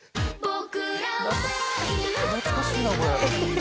懐かしいなこれ。